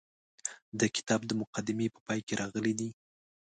د کتاب د مقدمې په پای کې راغلي دي.